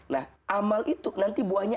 nah amal itu nanti buahnya